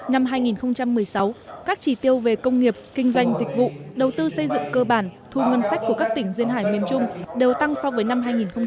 năm hai nghìn một mươi sáu các chỉ tiêu về công nghiệp kinh doanh dịch vụ đầu tư xây dựng cơ bản thu ngân sách của các tỉnh duyên hải miền trung đều tăng so với năm hai nghìn một mươi